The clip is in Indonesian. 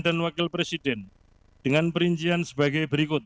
dan wakil presiden dengan perincian sebagai berikut